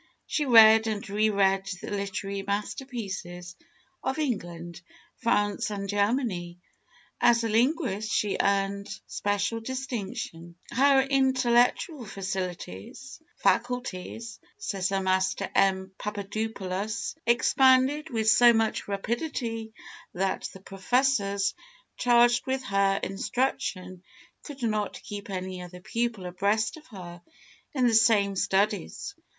She read and re read the literary masterpieces of England, France and Germany. As a linguist she earned special distinction. "Her intellectual faculties," says her master, M. Papadopoulos, "expanded with so much rapidity, that the professors charged with her instruction could not keep any other pupil abreast of her in the same studies.